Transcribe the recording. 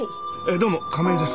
どうも亀井です。